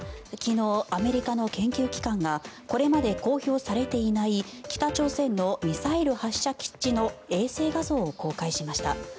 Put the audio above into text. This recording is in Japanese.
昨日、アメリカの研究機関がこれまで公表されていない北朝鮮のミサイル発射基地の衛星画像を公開しました。